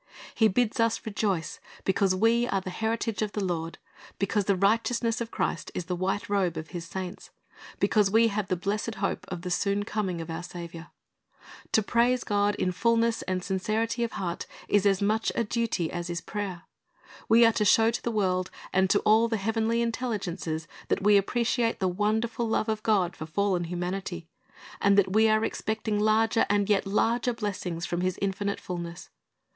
He bids us rejoice because we are the heritage of the Lord, because the righteousness of Christ is the white robe of His saints, because we have the blessed hope of the soon coming of our Saviour. To praise God in fulness and sincerity of heart is as much a duty as is prayer. We are to show to the world and to all the heavenly intelligences that we appreciate the wonderful love of God for fallen humanity, and that we are expecting larger and yet larger blessings from His infinite fulness.